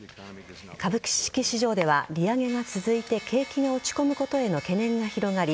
株式市場では利上げが続いて景気が落ち込むことへの懸念が広がり